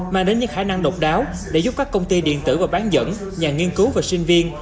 mang đến những khả năng độc đáo để giúp các công ty điện tử và bán dẫn nhà nghiên cứu và sinh viên